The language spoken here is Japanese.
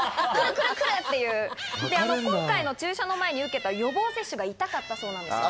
今回の注射の前に受けた予防接種が痛かったそうです。